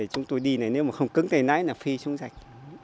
chúng tôi đi này nếu mà không cứng tầy nái là phi xuống dạch